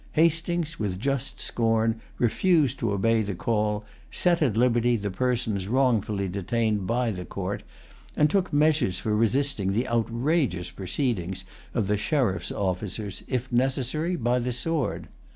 Hastings, with just scorn, refused to obey the call, set at liberty the persons wrongfully detained by the Court, and took measures for resisting the outrageous proceedings of the sheriffs' officers, if necessary, by the sword.